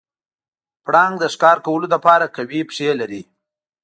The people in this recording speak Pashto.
پړانګ د ښکار کولو لپاره قوي پښې لري.